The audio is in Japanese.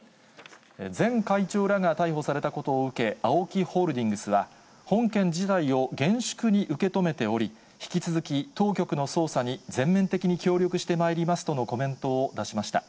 前会長らが逮捕されたことを受け、ＡＯＫＩホールディングスは、本件自体を厳粛に受け止めており、引き続き当局の捜査に全面的に協力してまいりますとのコメントを出しました。